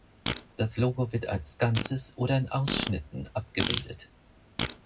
Das Logo wird als Ganzes oder in Ausschnitten abgebildet.